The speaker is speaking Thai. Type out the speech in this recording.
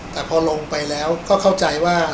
แต่พอลงไปแล้วก็เข้าใจว่า